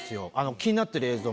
気になってる映像。